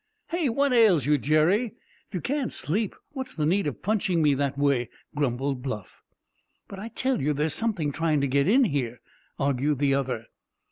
"Hey! What ails you, Jerry? If you can't sleep, what's the need of punching me that way?" grumbled Bluff. "But I tell you there is something trying to get in here!!" argued the other.